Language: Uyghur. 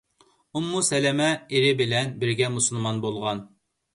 ئۇممۇ سەلەمە — ئېرى بىلەن بىرگە مۇسۇلمان بولغان.